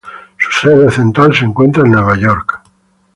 Su sede central se encuentra en Nueva York.